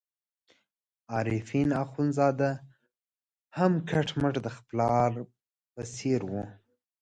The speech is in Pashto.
عارفین اخندزاده هم کټ مټ د خپل پلار په څېر وو.